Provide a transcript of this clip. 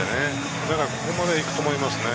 だから、ここまでは行くと思いますね。